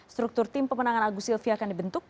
struktur tim pemenangan agus silvi akan dibentuk